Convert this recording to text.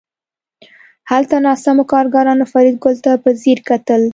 هلته ناستو کارګرانو فریدګل ته په ځیر کتل